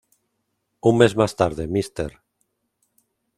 Un mes más tarde, Mr.